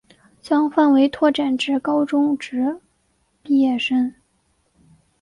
将范围拓展至高中职毕业生